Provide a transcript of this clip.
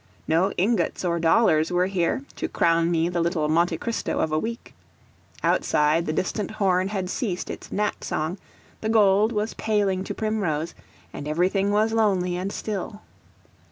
No ingots or dollars were here, to crown me the little Monte Cristo of a week. Outside, the distant horn had ceased its gnat song, the gold was paling to primrose, and everything was lonely and still.